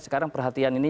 sekarang perhatian ini